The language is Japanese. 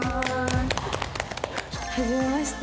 はじめまして。